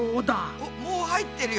おっもう入ってるよ。